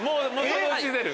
そのうち出る。